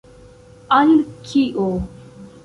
Al kio?